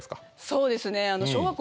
そうですね